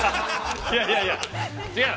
◆いやいやいや。